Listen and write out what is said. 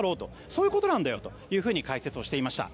そういうことなんだよと解説をしていました。